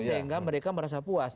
sehingga mereka merasa puas